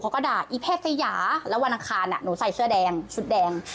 เขาก็ด่าอีเพศสยาแล้ววันอังคารหนูใส่เสื้อแดงชุดแดง